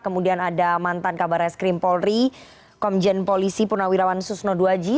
kemudian ada mantan kabar es krim polri komjen polisi purnawirawan susno duwaji